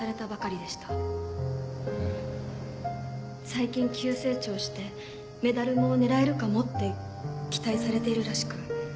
・最近急成長してメダルも狙えるかもって期待されているらしく。